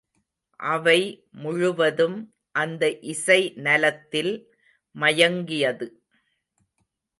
அவை முழுவதும், அந்த இசை நலத்தில் மயங்கியது.